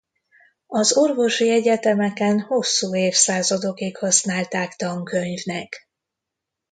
Az orvosi egyetemeken hosszú évszázadokig használták tankönyvnek.